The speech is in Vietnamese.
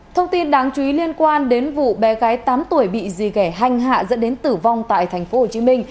thông tin đáng chú ý liên quan đến vụ bé gái tám tuổi bị dì ghẻ hanh hạ dẫn đến tử vong tại tp hcm